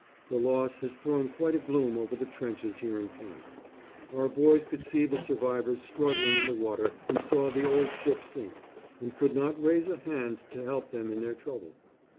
The loss has thrown quite a gloom over the trenches here in camp. Our boys could see the survivors struggling in the water and saw the old ship sink, and could not raise a hand to help them in their trouble.